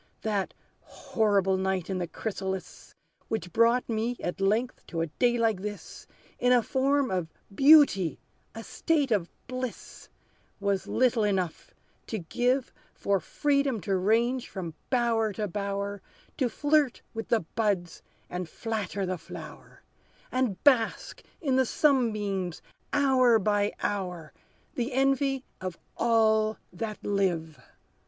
"That horrible night in the chrysalis, Which brought me at length to a day like this, In a form of beauty a state of bliss, Was little enough to give For freedom to range from bower to bower, To flirt with the buds, and flatter the flower, And bask in the sunbeams hour by hour, The envy of all that live.